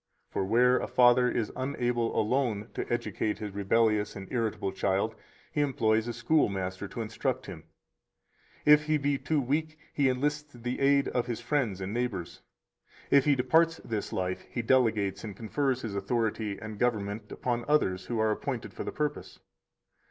For where a father is unable alone to educate his [rebellious and irritable] child, he employs a schoolmaster to instruct him; if he be too weak, he enlists the aid of his friends and neighbors; if he departs this life, he delegates and confers his authority and government upon others who are appointed for the purpose.